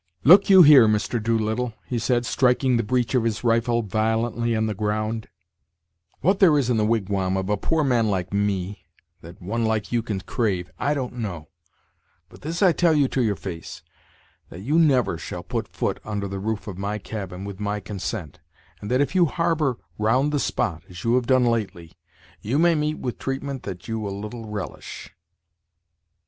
"Look you here, Mr. Doolittle," he said, striking the breech of his rifle violently on the ground; "what there is in the wigwam of a poor man like me, that one like you can crave, I don't know; but this I tell you to your face, that you never shall put foot under the roof of my cabin with my consent, and that, if you harbor round the spot as you have done lately, you may meet with treatment that you will little relish."